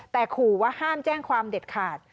แต่ขู่ว่าห้ามแจ้งความเด็ดขาด